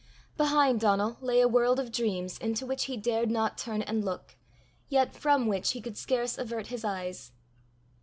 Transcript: Behind Donal lay a world of dreams into which he dared not turn and look, yet from which he could scarce avert his eyes.